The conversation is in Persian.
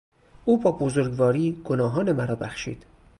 او با بزرگواری گناهان مرا بخشید.